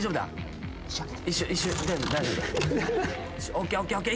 ＯＫＯＫＯＫ。